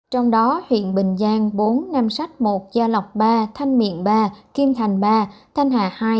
trong đó huyện bình giang bốn nam sách một gia lộc ba thanh miện ba kim thành ba thanh hà hai